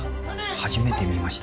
初めて見ました。